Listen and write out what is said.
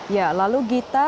ya lalu gita